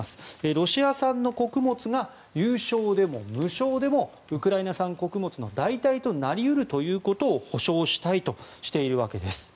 ロシア産の穀物が有償でも無償でもウクライナ産穀物の代替となり得るということを保証したいとしているわけです。